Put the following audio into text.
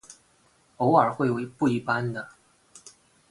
偶尔会有不一般的。